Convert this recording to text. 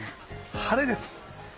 晴れです。